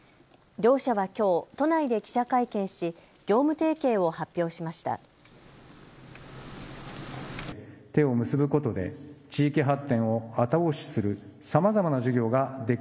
両社はきょう都内で記者会見し業務提携を発表しました。